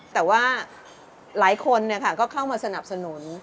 แต่ว่าหลายคนก็เข้ามาสนับสนุน